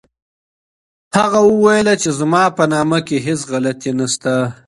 هغه وویل چي زما په نامه کي هیڅ غلطي نسته.